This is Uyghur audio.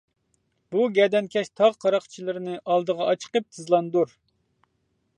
-بۇ گەدەنكەش تاغ قاراقچىلىرىنى ئالدىغا ئاچىقىپ تىزلاندۇر!